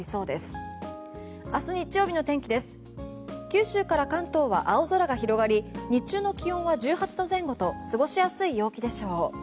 九州から関東は青空が広がり日中の気温は１８度前後と過ごしやすい陽気でしょう。